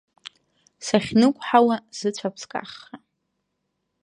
Сахьнықәҳауа сыцәап скаххаа.